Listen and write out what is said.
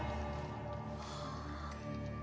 はあ？